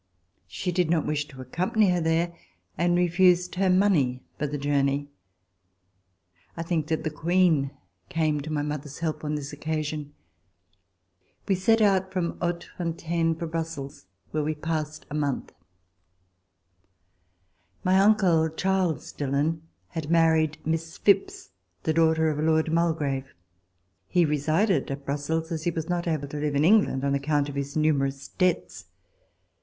She did not wish to accompany her there and refused her money for the journey. I think DEATH OF MME. DILLON that the Queen came to my mother's help on this occasion. We set out from Hautefontaine for Brussels, where we passed a month. My uncle, Charles Dillon, had married Miss Phipps, daughter of Lord Mulgrave. He resided at Brussels, as he was not able to live in England on account of his numerous debts.